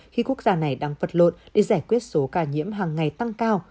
khi quốc gia này đang vật lộn để giải quyết số ca nhiễm hàng ngày tăng cao